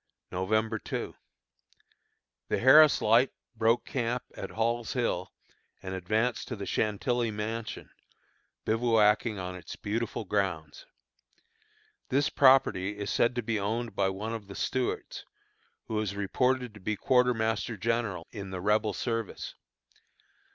November 2. The Harris Light broke camp at Hall's Hill and advanced to the Chantilly Mansion, bivouacking on its beautiful grounds. This property is said to be owned by one of the Stuarts, who is reported to be a quartermaster general in the Rebel service.